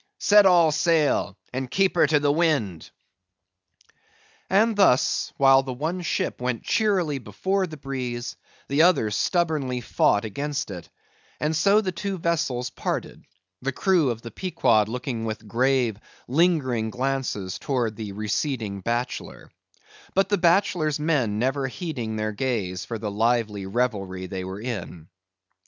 Set all sail, and keep her to the wind!" And thus, while the one ship went cheerily before the breeze, the other stubbornly fought against it; and so the two vessels parted; the crew of the Pequod looking with grave, lingering glances towards the receding Bachelor; but the Bachelor's men never heeding their gaze for the lively revelry they were in.